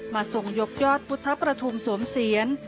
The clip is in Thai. ทรงยกยอดพุทธประทุมสวมเสียร